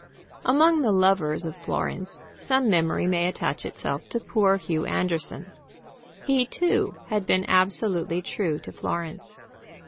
Among the lovers of Florence some memory may attach itself to poor Hugh Anderson. He too had been absolutely true to Florence.